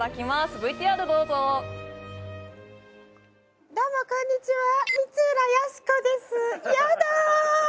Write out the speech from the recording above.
ＶＴＲどうぞどうもこんにちは光浦靖子ですやだあ！